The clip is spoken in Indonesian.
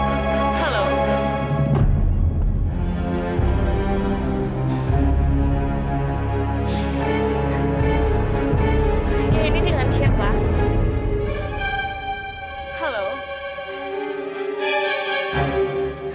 sekarang kalau aku nginset biar morgan itu sudah nyuruh